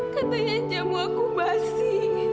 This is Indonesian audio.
katanya jamu aku basi